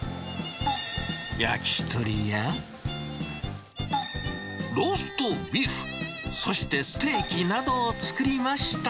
焼き鳥やローストビーフ、そしてステーキなどを作りました。